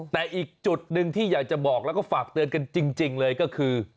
แต่อีกจุดหนึ่งที่อยากจะบอกแล้วก็ฝากเตือนกันจริงเลยก็คือ